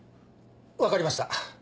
分かりました。